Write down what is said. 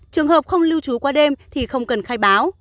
trường hợp không lưu trú qua đêm thì không cần khai báo